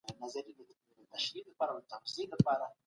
د تعلیم کیفیت باید لوړ سي.